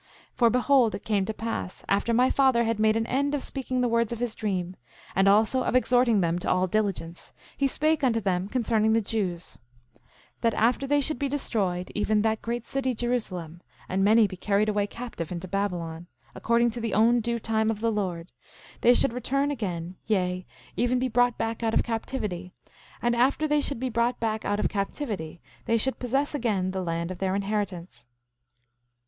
10:2 For behold, it came to pass after my father had made an end of speaking the words of his dream, and also of exhorting them to all diligence, he spake unto them concerning the Jews— 10:3 That after they should be destroyed, even that great city Jerusalem, and many be carried away captive into Babylon, according to the own due time of the Lord, they should return again, yea, even be brought back out of captivity; and after they should be brought back out of captivity they should possess again the land of their inheritance.